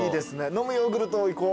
のむヨーグルトいこう。